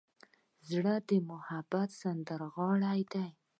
زړه د محبت سندرغاړی دی.